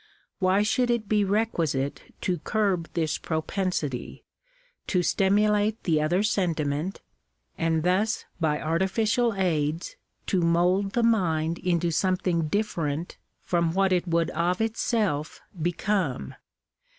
Why should it be requisite to curb this propensity, to stimulate the other sentiment, and thus by artificial aids to mould the mind into something different from what it would of itself become